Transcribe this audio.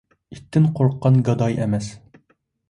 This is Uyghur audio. ئىتتىن قورققان گاداي ئەمەس.